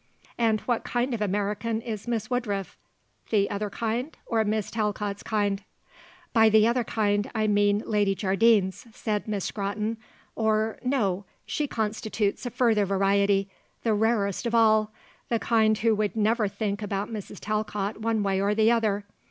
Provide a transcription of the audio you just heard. "And what kind of American is Miss Woodruff? The other kind or Mrs. Talcott's kind?" "By the other kind I mean Lady Jardine's," said Miss Scrotton; "or no; she constitutes a further variety; the rarest of all; the kind who would never think about Mrs. Talcott one way or the other.